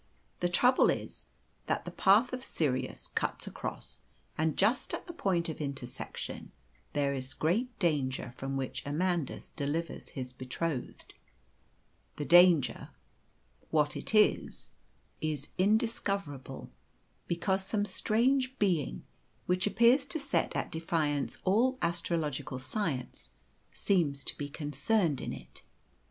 The trouble is, that the path of Sirius cuts across, and, just at the point of intersection, there is a great danger from which Amandus delivers his betrothed. The danger what it is is indiscoverable, because some strange being, which appears to set at defiance all astrological science, seems to be concerned in it.